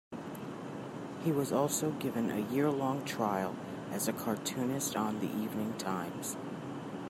He was also given a year-long trial as a cartoonist on the "Evening Times".